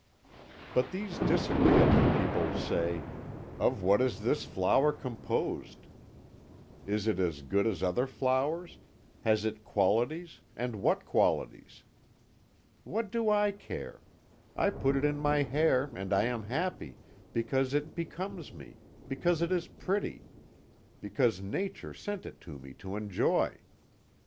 But these disagreeable people say, 'Of what is this flower composed is it as good as other flowers has it qualities, and what qualities?' What do I care? I put it in my hair, and I am happy because it becomes me, because it is pretty, because Nature sent it to me to enjoy.